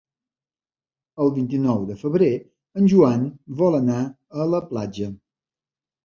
El vint-i-nou de febrer en Joan vol anar a la platja.